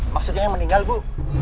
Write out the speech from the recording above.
maksudnya yang meninggal bu